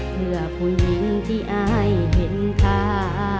เพื่อผู้หญิงที่อายเห็นตา